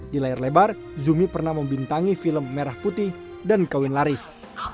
di layar lebar zumi pernah membintangi film merah putih dan kawin laris